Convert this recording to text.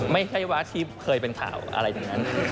ไม่ใช่ว่าที่เคยเป็นข่าวอะไรทั้งนั้น